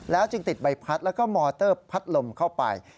จึงติดใบพัดแล้วก็มอเตอร์พัดลมเข้าไป